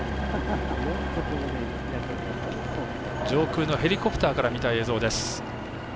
上空のヘリコプターから見た映像です。